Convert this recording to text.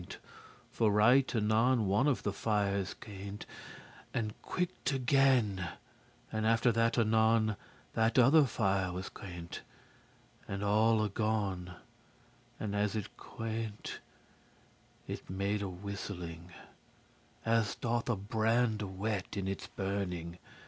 *strange For right anon one of the fire's *queint And quick'd* again, and after that anon *went out and revived* That other fire was queint, and all agone: And as it queint, it made a whisteling, As doth a brande wet in its burning.